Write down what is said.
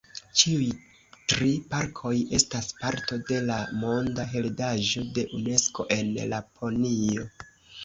Ĉiuj tri parkoj estas parto de la Monda heredaĵo de Unesko en Laponio.